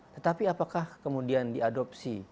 tetapi apakah kemudian diadopsi